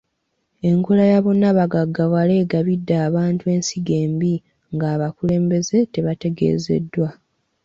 Enkola ya bonna bagaggawale egabidde abantu ensigo embi nga abakulembeze tebategeezeddwa.